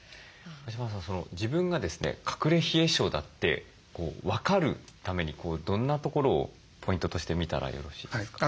自分がですね隠れ冷え症だって分かるためにどんなところをポイントとして見たらよろしいですか？